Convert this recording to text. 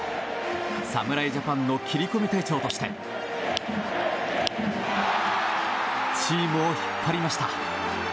侍ジャパンの切り込み隊長としてチームを引っ張りました。